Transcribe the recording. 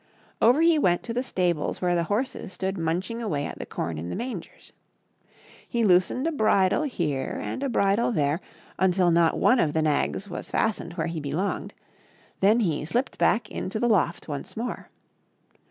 Over he went to the stables where the horses stood munching away at the com in the mangers. He loosened a bridle here and a bridle there until not one of the nags was fastened where he belonged ; then he slipped back into the loft once more.